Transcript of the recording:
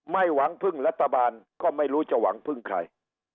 หวังพึ่งรัฐบาลก็ไม่รู้จะหวังพึ่งใคร